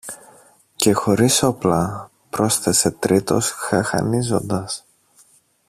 Και χωρίς όπλα, πρόσθεσε τρίτος χαχανίζοντας.